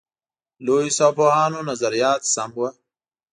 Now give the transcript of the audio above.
لویس او پوهانو نظریات سم وو.